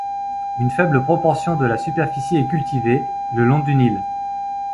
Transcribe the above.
Une faible proportion de la superficie est cultivée, le long du Nil.